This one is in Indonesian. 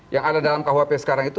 yang ada dalam kuhp sekarang itu